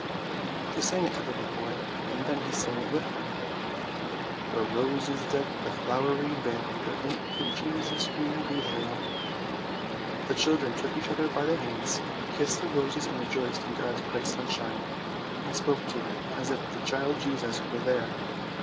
She sang it to the little boy, and then he sang it with her —" Where roses deck the flowery vale, There, Infant Jesus, we thee hail! " The children took each other by the hands, kissed the roses and rejoiced in God's bright sunshine, and spoke to it as if the Child Jesus were there.